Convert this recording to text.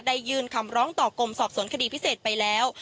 ยื่นคำร้องต่อกรมสอบสวนคดีพิเศษไปแล้ว